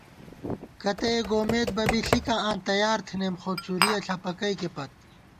کتَّہ ئے گومېت بہ بی ݪِکاں آں تیار تھنَئیم خو څُرِیَہ ݪَپَکَئیکےپت